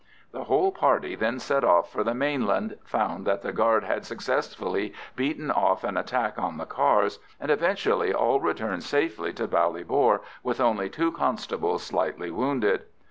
The whole party then set off for the mainland, found that the guard had successfully beaten off an attack on the cars, and eventually all returned safely to Ballybor with only two constables slightly wounded.